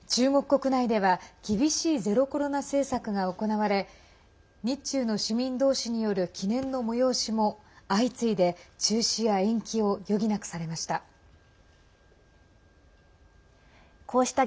国内では厳しいゼロコロナ政策が行われ日中の市民同士による記念の催しも相次いで中止や延期を余儀なくされました。